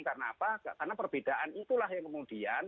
karena perbedaan itulah yang kemudian